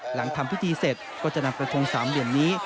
หลังทำพิธีเสร็จก็จะนำกระทงสามเหลี่ยมนี้